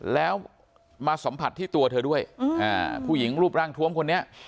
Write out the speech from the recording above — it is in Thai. แล้วมาสัมผัสที่ตัวเธอด้วยผู้หญิงรูปร่างทวมคนนี้